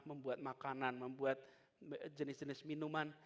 membuat makanan membuat jenis jenis minuman